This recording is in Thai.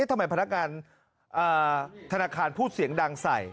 ทำไมธนาคารพูดเสียงดังใส่